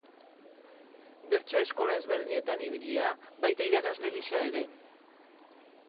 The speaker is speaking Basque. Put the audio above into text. Bertso eskola ezberdinetan ibilia, baita irakasle gisa ere.